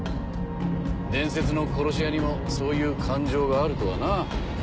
伝説の殺し屋にもそういう感情があるとはな。